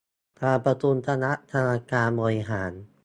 การประชุมคณะกรรมการบริหาร